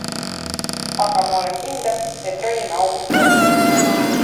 Aga ma olen kindel, et ronime august välja.